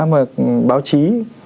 mà báo chí